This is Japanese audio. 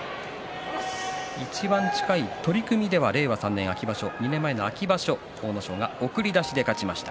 いちばん近い取組では令和３年秋場所、２年前の秋場所阿武咲が送り出しで勝ちました。